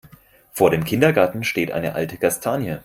Vor dem Kindergarten steht eine alte Kastanie.